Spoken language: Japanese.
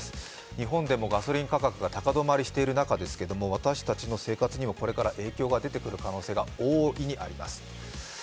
日本でもガソリン価格が高止まりしている中ですけれども、私たちの生活にもこれから影響が出てくる可能性が大いにあります。